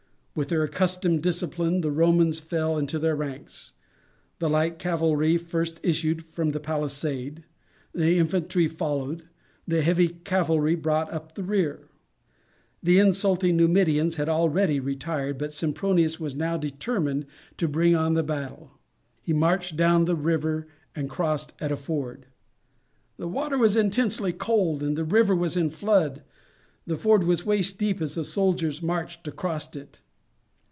With their accustomed discipline the Romans fell into their ranks. The light cavalry first issued from the palisade, the infantry followed, the heavy cavalry brought up the rear. The insulting Numidians had already retired, but Sempronius was now determined to bring on the battle. He marched down the river and crossed at a ford. The water was intensely cold, the river was in flood, the ford waist deep as the soldiers marched across it.